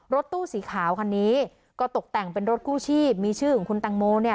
รถตู้สีขาวคันนี้ก็ตกแต่งเป็นรถกู้ชีพมีชื่อของคุณตังโมเนี่ย